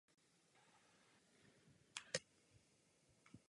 Svátek má Patricie.